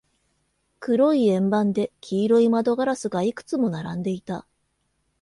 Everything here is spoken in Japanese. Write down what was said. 黒い円盤で、黄色い窓ガラスがいくつも並んでいた。